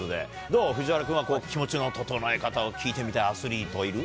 どう、藤原君は、キモチの整え方を聞いてみたいアスリートいる？